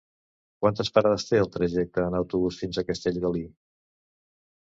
Quantes parades té el trajecte en autobús fins a Castellgalí?